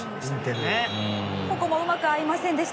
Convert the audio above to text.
ここも、うまく合いません。